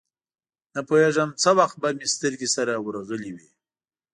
نپوهېږم څه وخت به مې سترګې سره ورغلې وې.